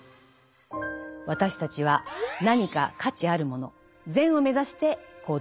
私たちは何か価値あるもの「善」を目指して行動している。